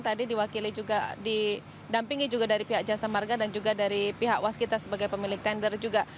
tadi diwakili juga didampingi juga dari pihak jasa marga dan juga dari pihak waskita sebagai pemilik tender juga